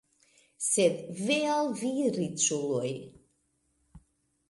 Sed ve al vi riĉuloj!